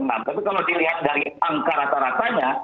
nah tapi kalau dilihat dari angka rata ratanya